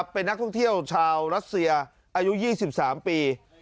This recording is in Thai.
เป็นนักท่องเที่ยวชาวรัสเซียอายุ๒๓ปี